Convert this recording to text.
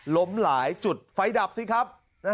ล้มหลายจุดไฟดับสิครับ